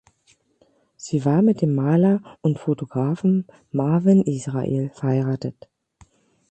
Sie war mit dem Maler und Photographen Marvin Israel verheiratet.